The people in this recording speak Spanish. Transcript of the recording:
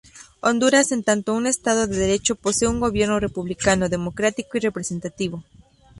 Honduras en tanto un Estado de Derecho posee un gobierno republicano, democrático y representativo.